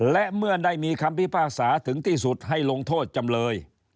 และเมื่อได้มีคำพิพากษาถึงที่สุดให้ลงโทษจำเลย